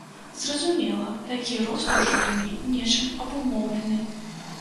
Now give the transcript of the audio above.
Зразумела, такі рост у жніўні нечым абумоўлены.